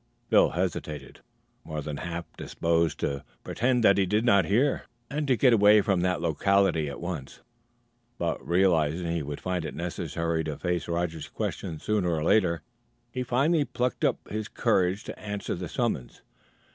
Phil hesitated, more than half disposed to pretend that he did not hear and to get away from that locality at once; but, realizing he would find it necessary to face Roger's questions sooner or later, he finally plucked up courage to answer the summons.